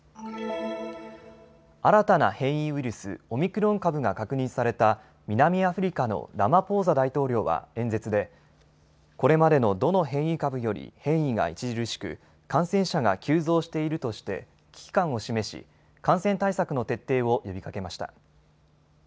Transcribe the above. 新たな変異ウイルス、オミクロン株が確認された南アフリカのラマポーザ大統領は演説でこれまでの、どの変異株より変異が著しく感染者が急増しているとして危機感を示し感染対策の徹底を呼びかけました。